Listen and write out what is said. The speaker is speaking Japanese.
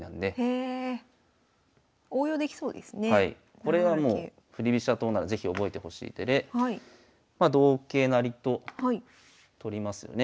これはもう振り飛車党なら是非覚えてほしい手でま同桂成と取りますよね。